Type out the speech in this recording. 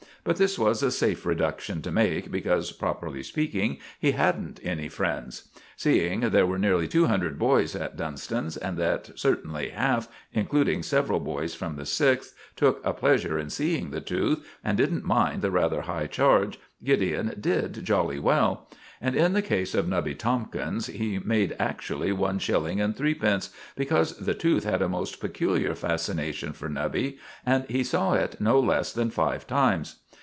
But this was a safe reduction to make, because, properly speaking, he hadn't any friends. Seeing there were nearly 200 boys at Dunston's, and that certainly half, including several fellows from the Sixth, took a pleasure in seeing the tooth, and didn't mind the rather high charge, Gideon did jolly well; and in the case of Nubby Tomkins, he made actually one shilling and threepence; because the tooth had a most peculiar fascination for Nubby, and he saw it no less than five times.